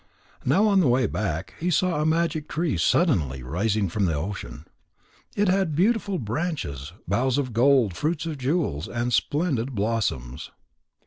Now on the way back, he saw a magic tree suddenly rising from the ocean. It had beautiful branches, boughs of gold, fruits of jewels, and splendid blossoms.